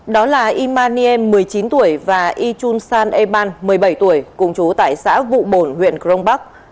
đó là imanie một mươi chín tuổi và ichun san eman một mươi bảy tuổi cùng chú tại xã vụ bổn huyện krong bắc